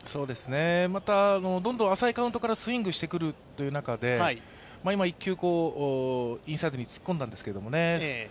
また、どんどん浅いカウントからスイングしてくるという中で今１球、インサイドに突っ込んだんですけれどもね。